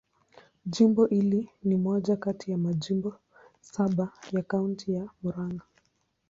Jimbo hili ni moja kati ya majimbo saba ya Kaunti ya Murang'a.